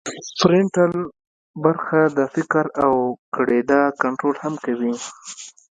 فرنټل برخه د فکر او ګړیدا کنترول هم کوي